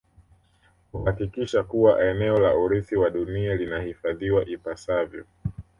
Kuhakikisha kuwa eneo la urithi wa dunia linahifadhiwa ipasavyo